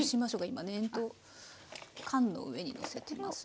今ね缶の上にのせてますので。